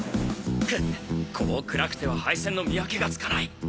くっこう暗くては配線の見分けがつかない。